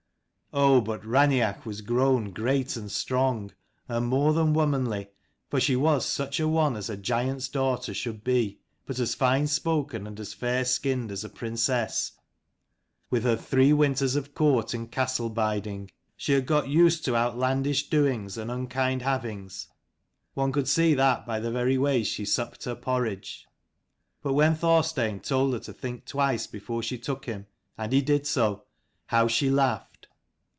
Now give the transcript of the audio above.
O but Raineach was grown great and strong, and more than womanly, for she was such a one as a giant's daughter should be; but as fine spoken and as fair skinned as a princess, with her three winters of court and castle biding. She had got used to outlandish doings and unkid havings, one could see that by the very way she supped her porridge. But when Thorstein told her to think twice before she took him, and he did so, how she laughed